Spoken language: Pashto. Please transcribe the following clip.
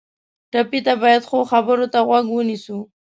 ټپي ته باید ښو خبرو ته غوږ ونیسو.